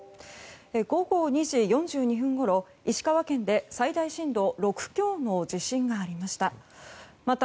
午後２時４２分ごろ石川県で最大震度６強の地震がありました。